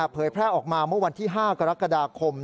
เผยแพร่ออกมาเมื่อวันที่๕กรกฎาคม